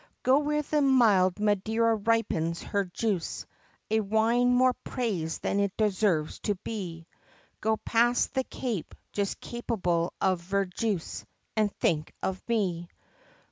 Go where the mild Madeira ripens her juice, A wine more praised than it deserves to be! Go pass the Cape, just capable of ver juice, And think of me!